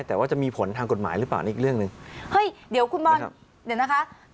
แต่ว่าจะมีผลทางกฎหมายหรือเปล่านี่อีกเรื่องหนึ่งเฮ้ยเดี๋ยวคุณบอลเดี๋ยวนะคะ